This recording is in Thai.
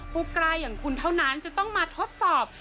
ผู้ใกล้อย่างคุณเท่านั้นจะต้องมาทดสอบ